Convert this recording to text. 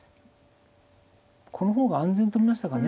この方が安全と見ましたかね。